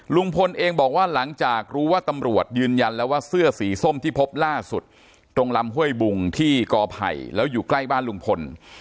ลุงพลเองบอกว่าหลังจากรู้ว่าตำรวจยืนยันแล้วว่าเสื้อสีส้มที่พบล่าสุดตรงลำห้วยบุงที่กอไผ่แล้วอยู่ใกล้บ้านลุงพล